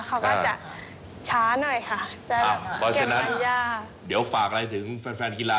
เขาก็จะช้าหน่อยค่ะจะแบบเก็บไขยากเดี๋ยวฝากอะไรถึงแฟนแฟนกีฬา